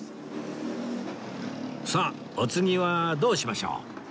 さあお次はどうしましょう？